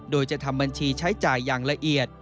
โดยจะทำบัญชีใช้จ่ายอย่างละเอียด